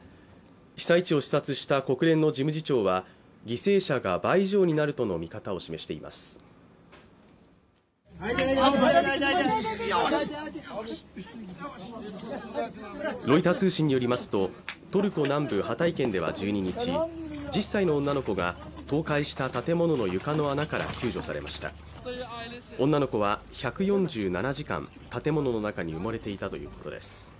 被災地を視察した国連の事務次長は犠牲者が倍以上になるとの見方を示していますロイター通信によりますとトルコ南部ハタイ県では１２日１０歳の女の子が倒壊した建物の床の穴から救助されました女の子は１４７時間建物の中に埋もれていたということです